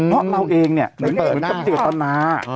เพราะเราเองเนี่ยเหมือนกับเจตนา